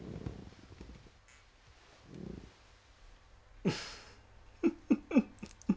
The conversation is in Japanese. ウフフフフフ。